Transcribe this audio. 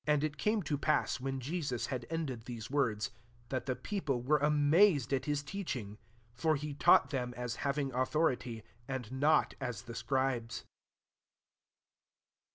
it came to pass when Jesua had ended these words, Me/ the people were amazed at hi& teaching: 29^fi>rhe taught Aem as having authority ; and not as the Scribes.